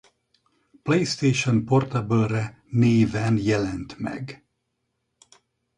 PlayStation Portable-re néven jelent meg.